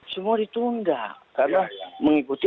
semua itu tidak karena mengikuti